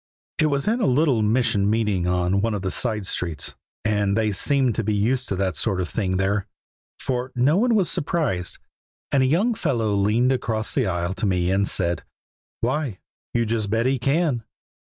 It was in a little mission meeting on one of the side streets, and they seemed to be used to that sort of thing there, for no one was surprised; and a young fellow leaned across the aisle to me and said: 'Why, you just bet He can!'